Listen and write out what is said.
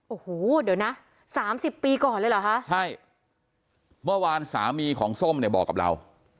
โอ้โหเดี๋ยวนะ๓๐ปีก่อนเลยเหรอคะใช่เมื่อวานสามีของส้มเนี่ยบอกกับเรา